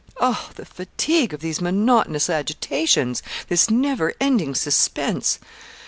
Oh, the fatigue of these monotonous agitations this never ending suspense!